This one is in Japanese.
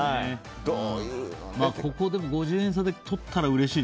ここで５０円差で取ったらうれしいね。